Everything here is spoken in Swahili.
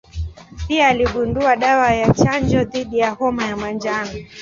Pia aligundua dawa ya chanjo dhidi ya homa ya manjano.